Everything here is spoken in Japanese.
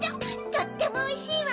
とってもおいしいわ！